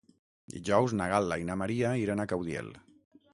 Dijous na Gal·la i na Maria iran a Caudiel.